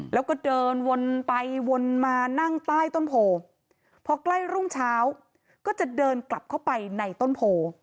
แล้วก็เดินวนไปวนมานั่งใต้ต้นโพพอใกล้รุ่งเช้าก็จะเดินกลับเข้าไปในต้นโพ